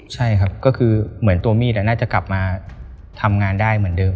ใช่ครับก็คือเหมือนตัวมีดน่าจะกลับมาทำงานได้เหมือนเดิม